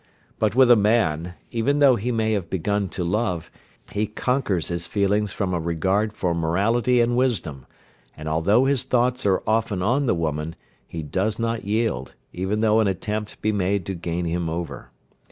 But with a man, even though he may have begun to love, he conquers his feelings from a regard for morality and wisdom, and although his thoughts are often on the woman, he does not yield, even though an attempt be made to gain him over.